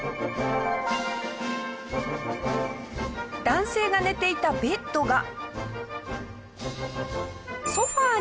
男性が寝ていたベッドが。